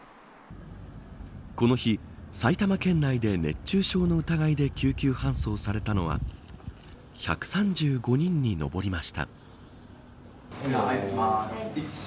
この日、埼玉県内で熱中症の疑いで救急搬送されたのは１３５人に上りました。